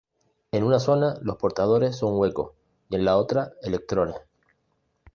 En una zona, los portadores son huecos y en la otra electrones.